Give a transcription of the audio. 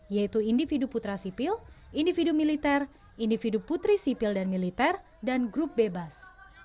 yaitu individu putra sipil individu militer individu putri sipil dan militer dan grup bebas